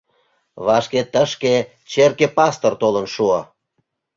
Вашке тышке черке пастор толын шуо.